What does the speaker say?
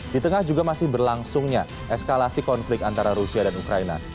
di tengah juga masih berlangsungnya eskalasi konflik antara rusia dan ukraina